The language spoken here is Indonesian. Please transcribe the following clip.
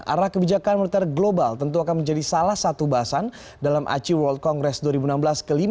arah kebijakan moneter global tentu akan menjadi salah satu bahasan dalam aci world congress dua ribu enam belas ke lima puluh